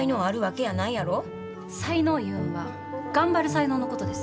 才能いうんは頑張る才能のことです。